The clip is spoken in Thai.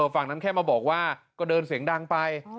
ฝั่งนั้นแค่มาบอกว่าก็เดินเสียงดังไป